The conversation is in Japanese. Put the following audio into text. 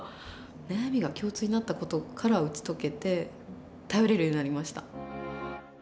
悩みが共通になった事から打ち解けて頼れるようになりました。